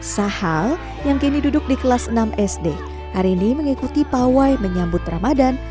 sahal yang kini duduk di kelas enam sd hari ini mengikuti pawai menyambut ramadan